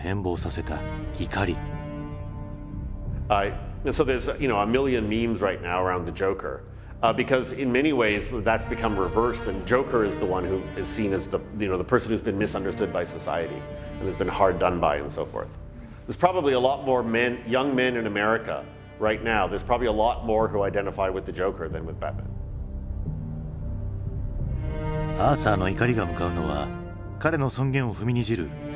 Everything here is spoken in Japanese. アーサーの怒りが向かうのは彼の尊厳を踏みにじる成功者たちだ。